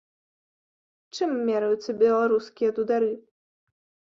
Чым мераюцца беларускія дудары?